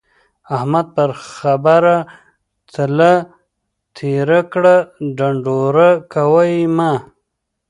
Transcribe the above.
احمده! پر خبره تله تېره کړه ـ ډنډوره کوه يې مه.